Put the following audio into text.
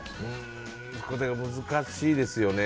難しいですよね。